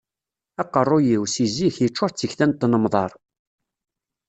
Aqaruy-iw, seg zik, yeččur d tikta n tnemḍar.